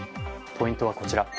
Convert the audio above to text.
ポイントはこちら。